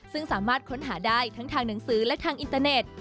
ซึ่งสามารถค้นหาได้ทั้งทางหนังสือและทางอินเตอร์เน็ต